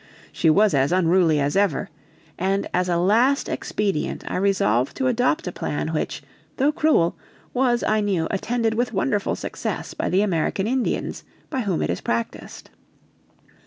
She was as unruly as ever, and as a last expedient I resolved to adopt a plan which, though cruel, was I knew attended with wonderful success by the American Indians, by whom it is practiced.